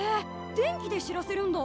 電気で知らせるんだ？